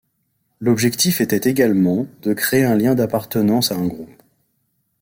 L'objectif était également de créer un lien d'appartenance à un groupe.